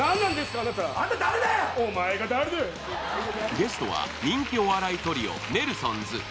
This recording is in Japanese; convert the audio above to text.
ゲストは人気お笑いトリオ・ネルソンズ。